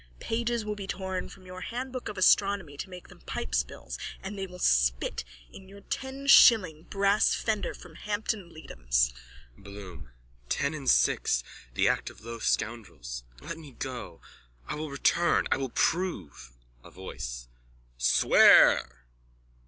Pages will be torn from your handbook of astronomy to make them pipespills. And they will spit in your ten shilling brass fender from Hampton Leedom's. BLOOM: Ten and six. The act of low scoundrels. Let me go. I will return. I will prove... A VOICE: Swear!